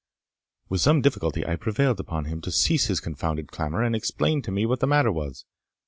With some difficulty I prevailed on him to cease his confounded clamour, and explain to me what the matter was.